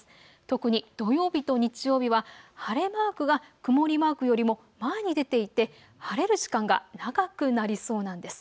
特に土曜日と日曜日は晴れマークが曇りマークよりも前に出ていて晴れる時間が長くなりそうなんです。